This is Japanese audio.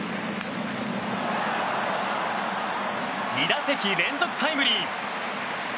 ２打席連続タイムリー。